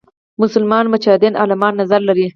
مسلمان مجتهدان عالمان نظر لري.